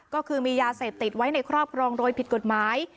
ก็คือมียาเสพติดไว้ในครอบครองโดยผิดกฎหมาย